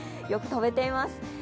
よく跳べています。